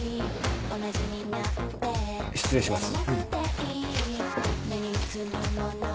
失礼します。